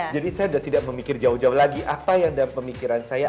jadi saya udah tidak memikir jauh jauh lagi apa yang dalam pemikiran saya